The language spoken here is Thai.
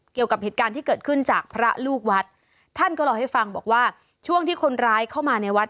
เกี่ยวกับเหตุการณ์ที่เกิดขึ้นจากพระลูกวัดท่านก็เล่าให้ฟังบอกว่าช่วงที่คนร้ายเข้ามาในวัด